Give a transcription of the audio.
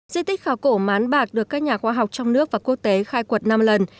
di tích khảo cổ mán bạc được các nhà khoa học trong nước và quốc tế khai quật năm lần